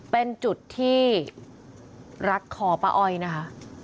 เป็นจุดที่รัดคอป้าอ้อยนะคะ